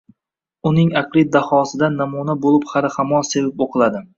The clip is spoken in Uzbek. uning aqliy dahosidan namuna bo'lib hali hamon sevib o'qiladi.